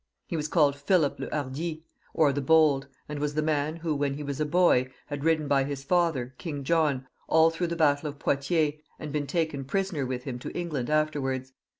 He was called Philip le Hardi, or the Bold, and was the man who, when he was a boy, had ridden by his father, King John, all through the battle of Poitiers, and been taken prisoner with him to England afterwards.